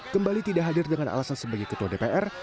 kembali tidak hadir dengan alasan sebagai ketua dpr